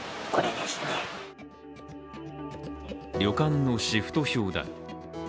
旅館のシフト表だ。